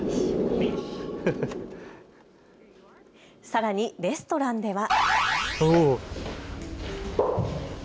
さらにレストランでは。